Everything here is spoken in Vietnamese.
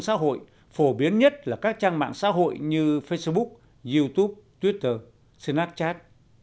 về truyền thông xã hội phổ biến nhất là các trang mạng xã hội như facebook youtube twitter snapchat